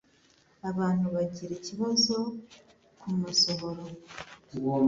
abantu bagira ikibazo ku masohoro